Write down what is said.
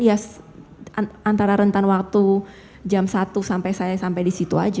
ya antara rentan waktu jam satu sampai saya sampai di situ aja